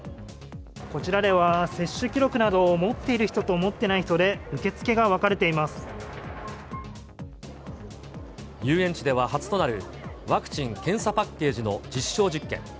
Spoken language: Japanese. こちらでは、接種記録などを持っている人と持っていない人で、遊園地では初となる、ワクチン・検査パッケージの実証実験。